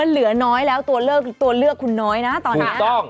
มันเหลือน้อยแล้วตัวเลือกคุณน้อยนะตอนนี้ถูกต้อง